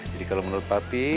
jadi kalau menurut papi